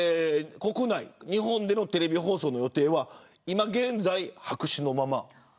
日本でのテレビ放送の予定は今現在、白紙のまま。